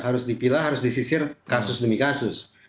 harus dipilah harus disisir kasus demi kasus